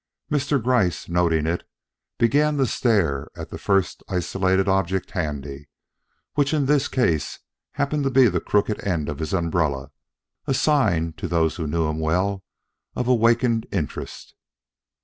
Mr. Gryce, noting it, began to stare at the first isolated object handy, which in this case happened to be the crooked end of his umbrella a sign, to those who knew him well, of awakened interest.